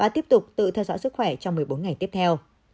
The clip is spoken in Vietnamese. tiếp tục tự theo dõi sức khỏe trong một mươi bốn ngày tiếp theo